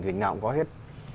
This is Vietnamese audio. tỉnh nào cũng có hết